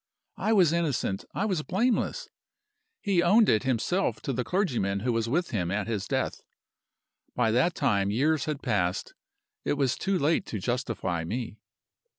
"I was innocent; I was blameless. He owned it himself to the clergyman who was with him at his death. By that time years had passed. It was too late to justify me.